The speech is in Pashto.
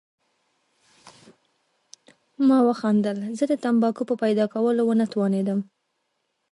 ما وخندل، زه د تمباکو په پیدا کولو ونه توانېدم.